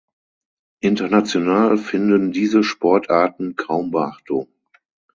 International finden diese Sportarten kaum Beachtung.